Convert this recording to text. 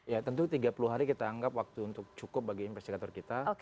ya tentu tiga puluh hari kita anggap waktu untuk cukup bagi investigator kita